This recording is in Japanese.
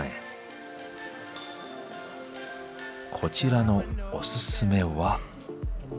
こちらのおすすめは。